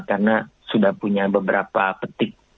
karena sudah punya beberapa petik